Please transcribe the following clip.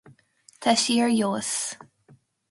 Tá sí ar fheabhas.